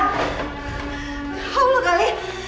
demi allah gali